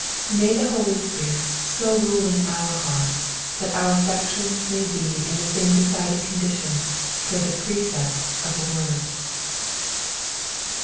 May the Holy Spirit so rule in our hearts that our affections may be in the same decided condition towards the precepts of the word.